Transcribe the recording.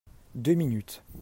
Deux minutes